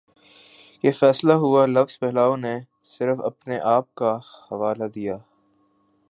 یہ فیصلہ ہوا لفظ پھیلاؤ نے صرف اپنے آپ کا حوالہ دیا